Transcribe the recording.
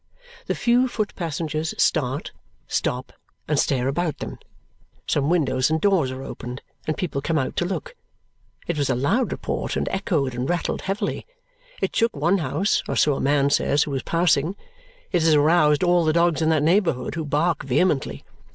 The few foot passengers start, stop, and stare about them. Some windows and doors are opened, and people come out to look. It was a loud report and echoed and rattled heavily. It shook one house, or so a man says who was passing. It has aroused all the dogs in the neighbourhood, who bark vehemently.